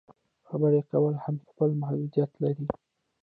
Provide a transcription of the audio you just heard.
خبرې کول هم خپل محدودیت لري.